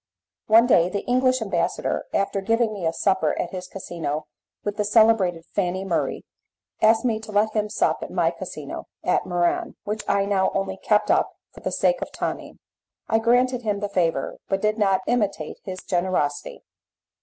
One day the English ambassador, after giving me a supper at his casino with the celebrated Fanny Murray, asked me to let him sup at my casino at Muran, which I now only kept up for the sake of Tonine. I granted him the favour, but did not imitate his generosity.